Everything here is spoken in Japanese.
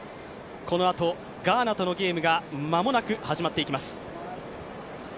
このあと、ガーナとのゲームがまもなく始まっていきます。